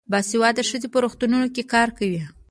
باسواده ښځې په روغتونونو کې کار کوي.